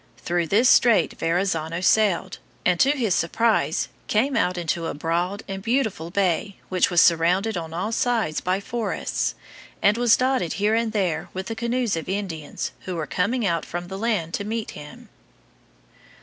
Through this strait Verrazzano sailed, and, to his surprise, came out into a broad and beautiful bay which was surrounded on all sides by forests, and was dotted here and there with the canoes of Indians who were coming out from the land to meet him.